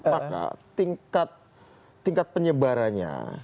maka tingkat penyebarannya